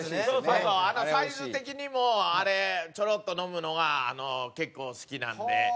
そうそうサイズ的にもあれチョロッと飲むのが結構好きなんで。